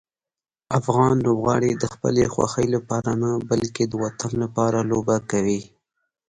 افغان لوبغاړي د خپلې خوښۍ لپاره نه، بلکې د وطن لپاره لوبه کوي.